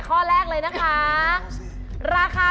โปรดติดตามต่อไป